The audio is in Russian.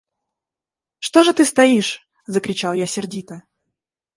«Что же ты стоишь!» – закричал я сердито.